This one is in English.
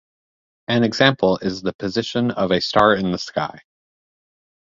An example is the position of a star in the sky.